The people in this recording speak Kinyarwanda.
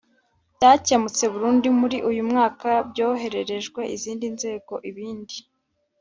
byakemutse burundu muri uyu mwaka byohererejwe izindi nzego ibindi